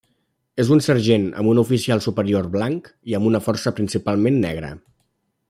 És un sergent, amb un oficial superior blanc i amb una força principalment negra.